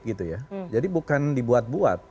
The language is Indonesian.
gitu ya jadi bukan dibuat buat